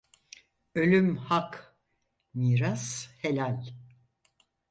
Ölüm hak, miras helal.